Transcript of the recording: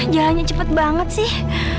jalannya cepet banget sih